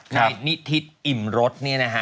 นายนิทิศอิ่มรสเนี่ยนะฮะ